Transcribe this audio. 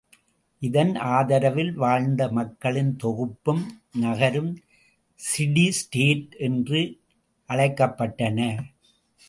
இதன் ஆதரவில் வாழ்ந்த மக்களின் தொகுப்பும் நகரும் சிடி ஸ்டேட் என்று அழைக்கப்பட்டன.